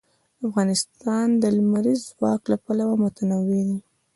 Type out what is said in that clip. افغانستان د لمریز ځواک له پلوه متنوع دی.